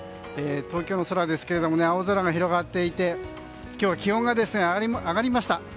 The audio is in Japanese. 東京の空ですが青空が広がっていて今日は気温が上がりました。